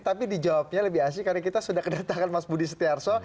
tapi dijawabnya lebih asik karena kita sudah kedatangan mas budi setiarso